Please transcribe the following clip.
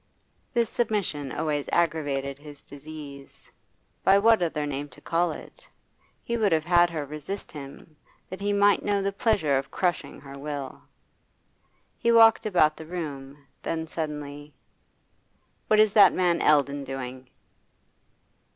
This submission always aggravated his disease by what other name to call it? He would have had her resist him, that he might know the pleasure of crushing her will. He walked about the room, then suddenly: 'What is that man Eldon doing?